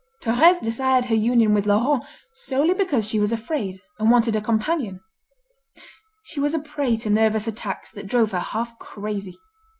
Thérèse desired her union with Laurent solely because she was afraid and wanted a companion. She was a prey to nervous attacks that drove her half crazy.